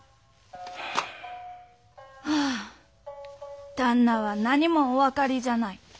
ああ旦那は何もお分かりじゃない。